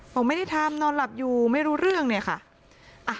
บอกไม่ได้ทำนอนหลับอยู่ไม่รู้เรื่องเนี่ยค่ะ